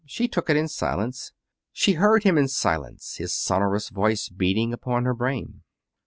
She took it in silence. She heard him in silence, his sonorous voice beating upon her brain.